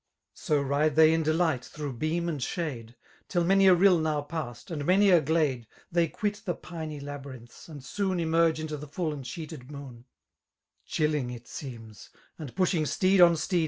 So ride they in delight through beam and shade 5— < Till many a rill now passed^ and many a glade» They quit the piny labyrinths^ and soon Emerge into the fdU and sheeted moon: Chilling it seems ^ and pushing steed on steed.